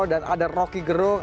dan ada rocky gerung